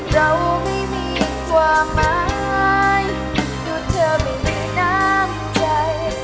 เราไม่มีความหมายดูเธอไม่มีน้ำใจ